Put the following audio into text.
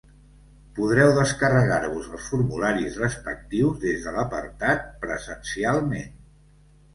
Podeu descarregar-vos els formularis respectius des de l'apartat 'Presencialment'.